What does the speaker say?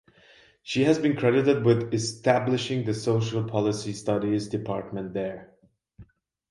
She has been credited with establishing the social policy studies department there.